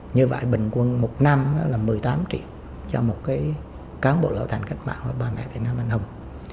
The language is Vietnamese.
như vậy bình quân một năm là một mươi tám triệu cho một cán bộ lào thành cách mạng và bà mẹ việt nam minh hùng